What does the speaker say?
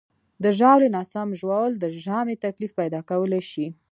د ژاولې ناسم ژوول د ژامې تکلیف پیدا کولی شي.